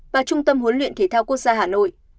và trung tâm huấn luyện thể thao quốc gia hà nội